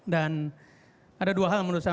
dan ada dua hal menurut saya